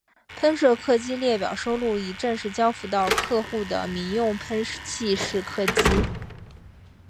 喷射客机列表收录已正式交付到客户的民用喷气式客机。